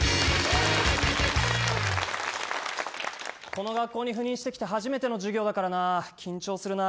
この学校に赴任してきて初めての授業だからな緊張するな。